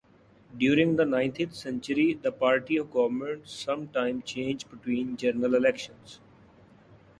During the nineteenth century, the party of government sometimes changed between general elections.